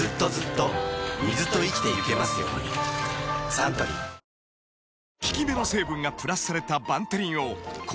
サントリーあっ！